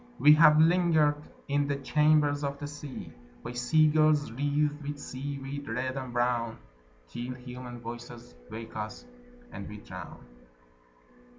We have lingered in the chambers of the sea By sea girls wreathed with seaweed red and brown Till human voices wake us, and we drown.